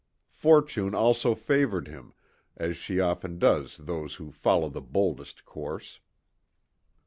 Fortune also favoured him, as she often does those who follow the boldest course.